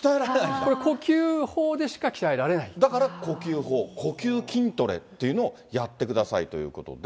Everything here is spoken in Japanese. これ、呼吸法でしか鍛えられだから呼吸法、呼吸筋トレというのをやってくださいということで。